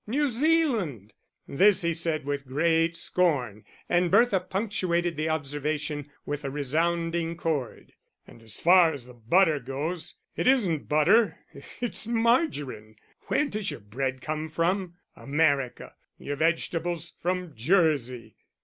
New Zealand!" This he said with great scorn, and Bertha punctuated the observation with a resounding chord. "And as far as the butter goes, it isn't butter it's margarine. Where does your bread come from? America. Your vegetables from Jersey."